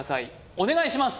お願いします